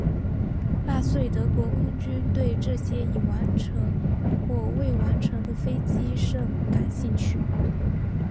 纳粹德国空军对这些已完成或未完成的飞机甚感兴趣。